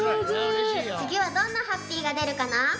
つぎはどんなハッピーがでるかな？